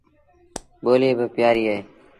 ٻوليٚ با پيٚآريٚ اهي